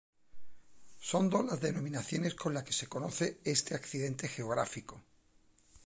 Son dos las denominaciones con las que se conoce a este accidente geográfico.